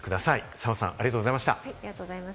澤さん、ありがとうございました。